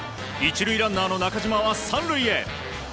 １塁ランナーの中島は３塁へ。